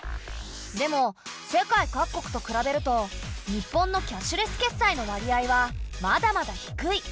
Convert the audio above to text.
でも世界各国と比べると日本のキャッシュレス決済の割合はまだまだ低い。